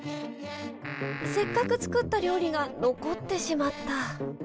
せっかく作った料理が残ってしまった。